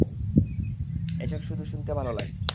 এসব শুধু শুনতে ভালো লাগে।